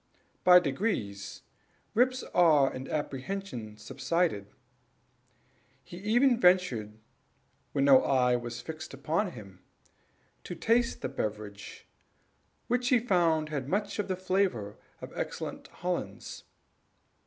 By degrees Rip's awe and apprehension subsided. He even ventured, when no eye was fixed upon him, to taste the beverage, which he found had much of the flavor of excellent Hollands.